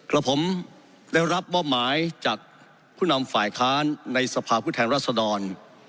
แล้วผมได้รับมอบหมายจากผู้นำฝ่ายค้านในสภาพผู้แทนรัศดร